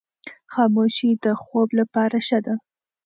خاموشي د خوب لپاره ښه ده.